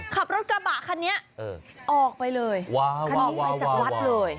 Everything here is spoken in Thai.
ขับรถกระบะคันนี้ออกไปเลยออกไปจากวัดเลย